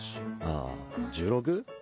ああ１６？